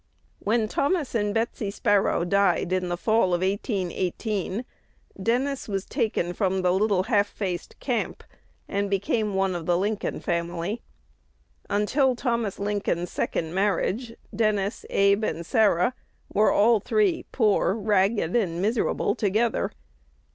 When Thomas and Betsy Sparrow died in the fall of 1818, Dennis was taken from the "little half faced camp," and became one of the Lincoln family. Until Thomas Lincoln's second marriage, Dennis, Abe, and Sarah were all three poor, ragged, and miserable together.